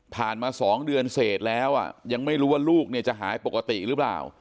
มา๒เดือนเสร็จแล้วยังไม่รู้ว่าลูกเนี่ยจะหายปกติหรือเปล่า